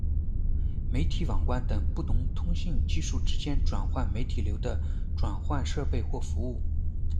媒体网关等不同通信技术之间转换媒体流的转换设备或服务。